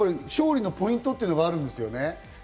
勝利のポイントっていうのがあるんですよね。